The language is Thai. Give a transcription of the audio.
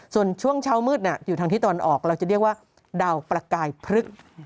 ส่วนช่วงเช้ามืดอยู่ทางที่ตะวันออกเราจะเรียกว่าดาวประกายพฤกษ์